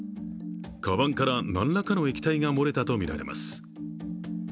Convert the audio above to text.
かばんからなんらかの液体が漏れたとみられています。